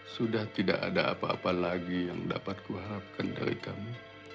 sudah tidak ada apa apa lagi yang dapat kuhapkan dari kamu